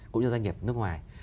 cũng như doanh nghiệp nước ngoài